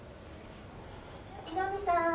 ・伊上さん。